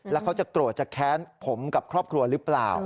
แล้วเขาจะโกรธจะแค้นผมกับครอบครัวหรือเปล่า